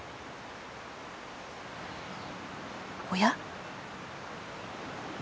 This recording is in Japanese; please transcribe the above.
おや？